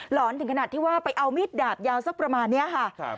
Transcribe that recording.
อนถึงขนาดที่ว่าไปเอามีดดาบยาวสักประมาณนี้ค่ะ